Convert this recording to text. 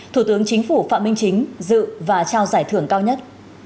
thủ tướng chính phủ phạm minh chính dự và trao giải thưởng cao nhất